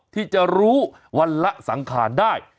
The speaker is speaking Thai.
ที่จะรู้วันละสังขารได้